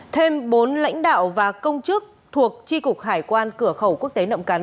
thêm bốn lãnh đạo và công chức thuộc tri cục hải quan cửa khẩu quốc tế nậm cắn